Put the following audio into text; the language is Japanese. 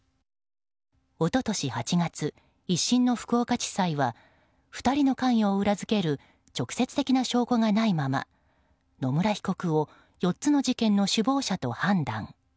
一昨年８月、１審の福岡地裁は２人の関与を裏付ける直接的な証拠がないまま野村被告を４つの事件の首謀者と判断。